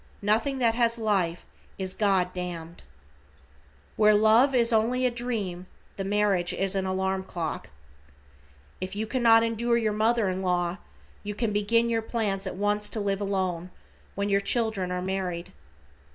Nothing that has life is God damned. Where love is only a dream, the marriage is an alarm clock. If you cannot endure your mother in law, you can begin your plans at once to live alone, when your children are married.